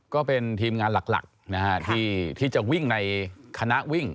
ก็เป็นทีมงานหลักนะฮะที่จะวิ่งในคณะวิ่ง